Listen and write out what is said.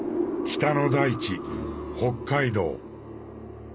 北の大地北海道。